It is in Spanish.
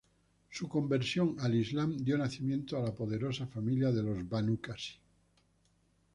Su conversión al islam dio nacimiento a la poderosa familia de los Banu Qasi.